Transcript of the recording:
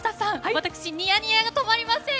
私、ニヤニヤが止まりません。